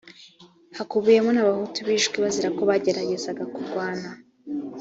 hakubiyemo n abahutu bishwe bazira ko bageragezaga kurwana